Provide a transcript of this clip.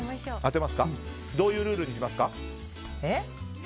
どういうルールにしますか？